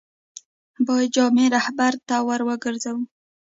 باید جامع رهبرد ته ور وګرځو.